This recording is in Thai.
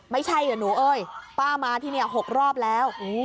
ไม่ใช่เหรอหนูเอ้ยป้ามาที่นี่๖รอบแล้ว